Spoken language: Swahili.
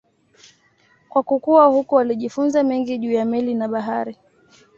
Kwa kukua huko alijifunza mengi juu ya meli na bahari.